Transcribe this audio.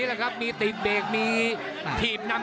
ชกไม่ดีไม่ได้นะ